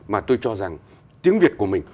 mà tôi cho rằng tiếng việt của mình